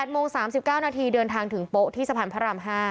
โมง๓๙นาทีเดินทางถึงโป๊ะที่สะพานพระราม๕